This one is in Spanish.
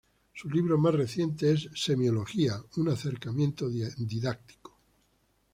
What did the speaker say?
Su libro más reciente es "Semiología: un acercamiento didáctico".